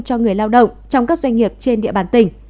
cho người lao động trong các doanh nghiệp trên địa bàn tỉnh